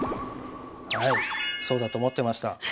そうだと思ってました。